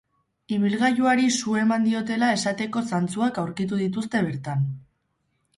Ibilgailuari su eman diotela esateko zantzuak aurkitu dituzte bertan.